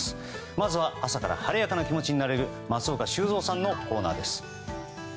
まずは、朝から晴れやかな気持ちになれる松岡修造さんのコーナーです。